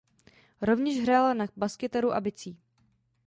Rovněž hrála na baskytaru a bicí.